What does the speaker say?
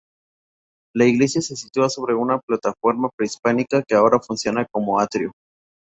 La iglesia se sitúa sobre una plataforma prehispánica que ahora funciona como atrio.